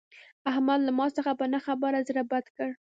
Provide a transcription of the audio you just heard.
احمد له ما څخه په نه خبره زړه بد کړ.